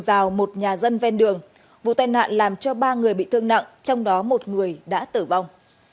rào một nhà dân ven đường vụ tai nạn làm cho ba người bị thương nặng trong đó một người đã tử vong